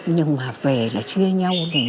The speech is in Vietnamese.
nhưng mà về là chia nhau